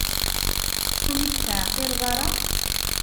Ur yi-d-teɛqileḍ ara?